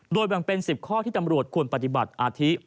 โดยแบ่งเป็น๑๐ข้อที่ตำรวจควรปฏิบัติอาทิ